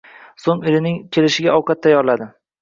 So`ng erining kelishiga ovqat tayyorladi